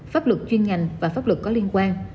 pháp luật chuyên ngành và pháp luật có liên quan